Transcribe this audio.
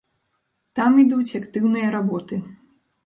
Там ідуць актыўныя работы.